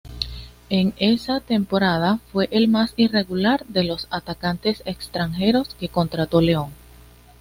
En esa temporada, fue el más irregular de los atacantes extranjeros que contrató León.